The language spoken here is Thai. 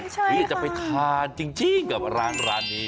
อยากจะไปทานจริงกับร้านนี้